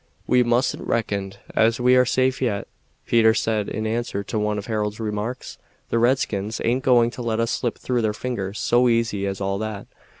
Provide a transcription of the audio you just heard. "We mustn't reckon as we are safe yet," Peter said in answer to one of Harold's remarks. "The redskins aint going to let us slip through their fingers so easy as all that.